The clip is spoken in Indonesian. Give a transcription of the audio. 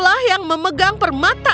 kau yang memegang permata ajaib